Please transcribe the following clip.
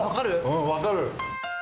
分かる？